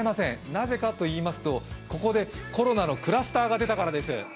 なぜかと言いますと、ここでコロナのクラスターが出たからです。